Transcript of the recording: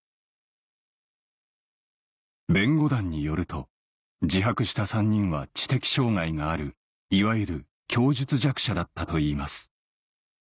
弁護団によると自白した３人は知的障害があるいわゆる供述弱者だったといいます